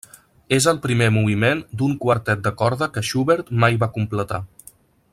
És el primer moviment d'un quartet de corda que Schubert mai va completar.